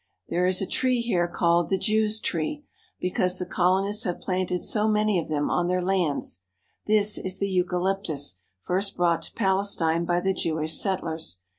There is a tree here called the "Jews' tree," because the colonists have planted so many of them on their lands. This is the eucalyptus, first brought to Pales tine by the Jewish settlers.